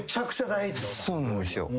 そうなんですよ。